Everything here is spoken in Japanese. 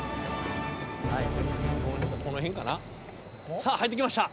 さあ入ってきました。